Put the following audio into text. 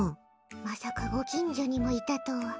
まさか、ご近所にもいたとは。